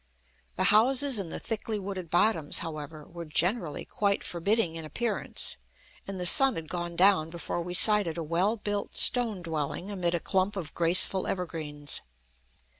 The houses in the thickly wooded bottoms, however, were generally quite forbidding in appearance, and the sun had gone down before we sighted a well built stone dwelling amid a clump of graceful evergreens.